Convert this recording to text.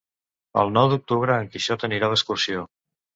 El nou d'octubre en Quixot anirà d'excursió.